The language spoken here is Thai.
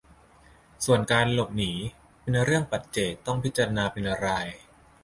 ส่วนการหลบหนีมันเป็นเรื่องปัจเจกต้องพิจารณาเป็นราย